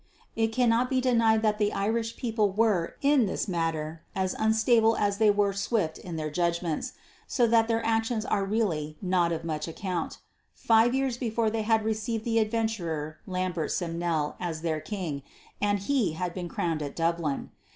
It cannot be denied that the Irish people were in this matter as unstable as they were swift in their judgments, so that their actions are really not of much account. Five years before they had received the adventurer Lambert Simnel as their king, and he had been crowned at Dublin.